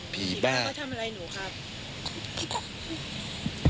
ผีบ้าน